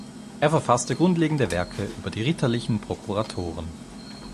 Er verfasste grundlegende Werke über die ritterlichen Prokuratoren.